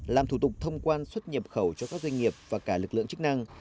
làm thủ tục thông quan xuất nhập khẩu cho các doanh nghiệp và cả lực lượng chức năng